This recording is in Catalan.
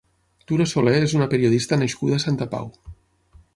Tura Soler és una periodista nascuda a Santa Pau.